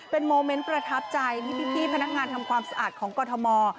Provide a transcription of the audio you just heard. เป็นโมเมนต์ประทับใจที่พี่พนักงานทำความสะอาดของกรทม